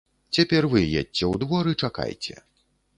Цяпер вы едзьце ў двор і чакайце.